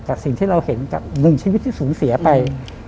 สิ่งที่เราเห็นกับหนึ่งชีวิตที่สูญเสียไป